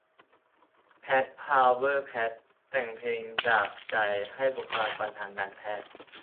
แพท พาวเวอร์แพท แต่งเพลงจากใจให้บุคลากรทางการแพทย์